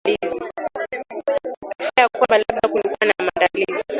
fear kwamba labda kulikuwa na maandalizi